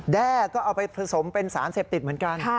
แด้ก็เอาไปผสมเป็นสารเสพติดเหมือนกัน